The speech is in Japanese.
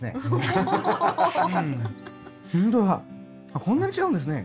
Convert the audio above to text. あっこんなに違うんですね。